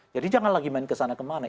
jadi jangan lagi main kesana kemana